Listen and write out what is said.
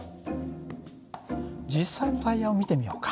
実際のタイヤを見てみようか。